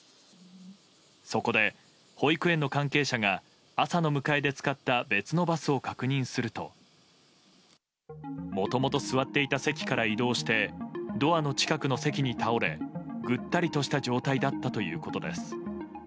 そこで、保育園の関係者が朝の迎えで使った別のバスを確認するともともと座っていた席から移動してドアの近くの席に倒れぐったりとした状態だったということです。